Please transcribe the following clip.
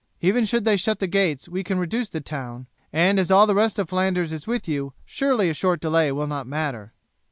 Even should they shut the gates, we can reduce the town, and as all the rest of Flanders is with you, surely a short delay will not matter."